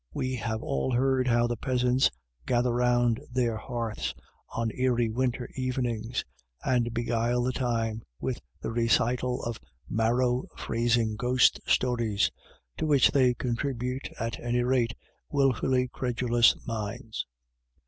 We have all heard how the peasants gather round their hearths on eerie winter evenings, and beguile the time with the recital of marrow freezing ghost stories, to which they con tribute, at any rate, wilfully credulous minds.